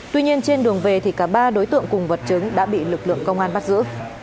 tuy nhiên trên đường về thì cả ba đối tượng cùng vật chứng đã bị lực lượng công an bắt giữ